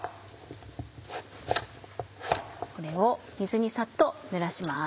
これを水にサッとぬらします。